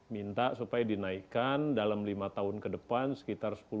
minta supaya dinaikkan dalam lima tahun ke depan sekitar sepuluh